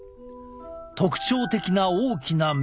特徴的な大きな目。